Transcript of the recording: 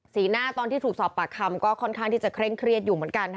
หน้าตอนที่ถูกสอบปากคำก็ค่อนข้างที่จะเคร่งเครียดอยู่เหมือนกันค่ะ